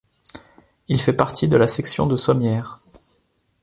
Il fait partie de la section de Sommière.